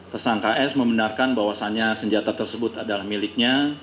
tersangka s membenarkan bahwasannya senjata tersebut adalah miliknya